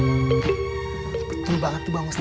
betul banget tuh bang ustadz